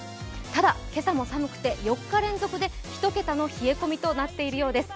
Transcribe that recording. ただ、今朝も寒くて４日連続で１桁の寒さとなっているようです。